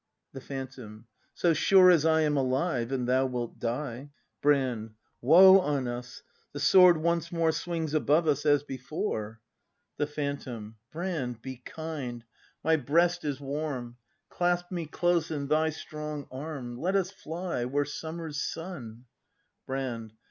The Ph^vntom. So sure as I Am alive, and thou wilt die. Brand. Woe on us! The sword once more Swings above us, as before! ACT V] BRAND 295 The Phantom. Brand, be kind; my breast is warm; Clasp me close in thy strong arm; — Let us fly where summer's sun Brand.